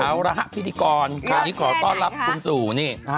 เอาล่ะพี่ดิกรไปตรงนี้ขอต้อนรับคุณสู่นี่